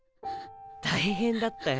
大変だったよ。